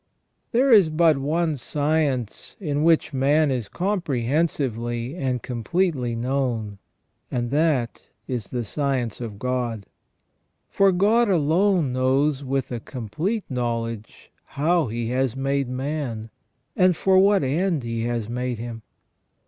There is but one science in which man is comprehensively and completely known, and that is the science of God. For God alone knows with a complete knowledge how He has made man, and for what end He has made him.